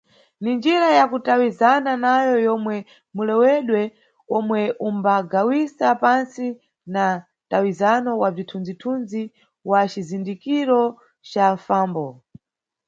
Ni njira ya kutawizana nayo yomwe mulewedwe omwe umbagawisa pantsi na mtawizano wa bzithunzi-zithuzi wa cizindikiro ca mfambo.